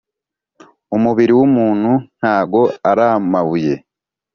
Umubiri wumuntu ntago aramabuye.